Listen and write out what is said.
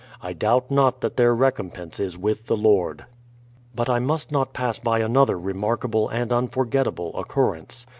I doubt not that their recompense is with the Lord. But I must not pass by another remarkable and unfor gettable occurrence.